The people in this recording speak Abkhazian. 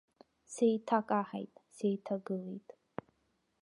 Сеиҭакаҳаит, сеиҭагылеит.